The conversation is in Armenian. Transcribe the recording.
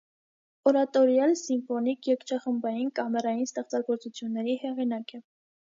Օրատորիալ, սիմֆոնիկ, երգչախմբային, կամերային ստեղծագործությունների հեղինակ է։